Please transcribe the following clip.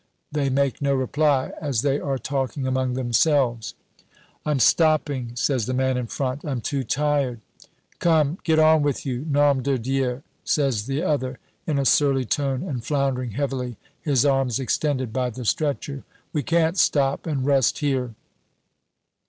They make no reply, as they are talking among themselves. "I'm stopping," says the man in front; "I'm too tired." "Come, get on with you, nom de Dieu!" says the other in a surly tone and floundering heavily, his arms extended by the stretcher. "We can't stop and rust here."